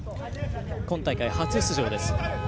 今大会初出場です。